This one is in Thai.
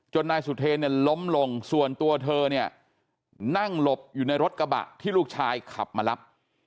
นายสุเทรเนี่ยล้มลงส่วนตัวเธอเนี่ยนั่งหลบอยู่ในรถกระบะที่ลูกชายขับมารับ